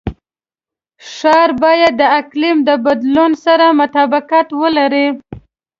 ښار باید د اقلیم د بدلون سره مطابقت ولري.